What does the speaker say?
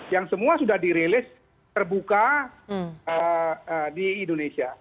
yang semua sudah dirilis terbuka di indonesia